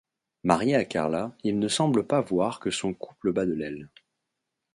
Marié à Carla, il ne semble pas voir que son couple bat de l'aile.